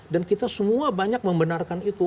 dan kita semua banyak membenarkan itu